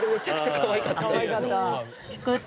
かわいかった。